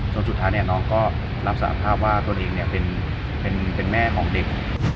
สุดท้ายน้องก็รับสารภาพว่าตนเองเป็นแม่ของเด็ก